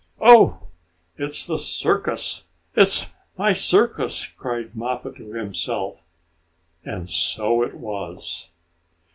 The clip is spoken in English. "Oh, it's the circus! It's my circus!" cried Mappo to himself, and so it was.